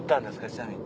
ちなみに。